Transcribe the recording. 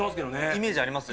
イメージあります。